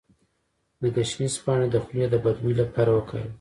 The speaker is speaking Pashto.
د ګشنیز پاڼې د خولې د بد بوی لپاره وکاروئ